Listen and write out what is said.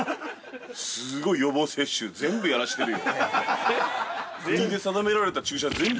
すごい予防接種、全部やらしてるよ。